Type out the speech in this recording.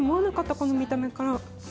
この見た目から。